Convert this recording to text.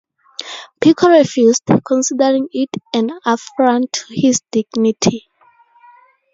Pico refused, considering it an affront to his dignity.